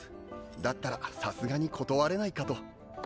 だったらさすがに断れないかと。